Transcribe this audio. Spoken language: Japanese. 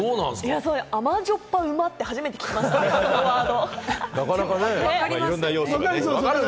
甘じょっぱうまって、初めて聞きました、ワード。